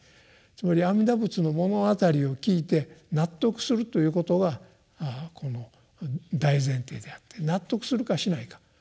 つまり阿弥陀仏の物語を聞いて納得するということがこの大前提であって納得するかしないか。